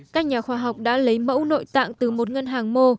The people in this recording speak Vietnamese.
các nhà khoa học đã lấy mẫu nội tạng từ một ngân hàng mô